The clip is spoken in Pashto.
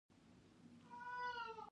هغوی په درې قبرونو کې ښخ دي.